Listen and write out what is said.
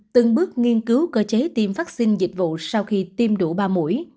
từng bước nghiên cứu cơ chế tiêm vaccine dịch vụ sau khi tiêm đủ ba mũi